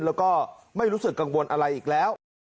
แล้วก็ไม่รู้สึกกังวลอะไรอีกแล้ว